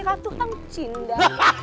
ratu hang cinda